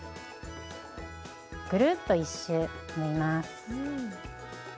ぐるっと１周縫います。